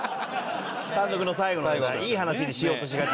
単独の最後の話いい話にしようとしがちね。